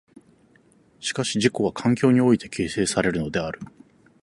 しかし自己は環境において形成されるのである。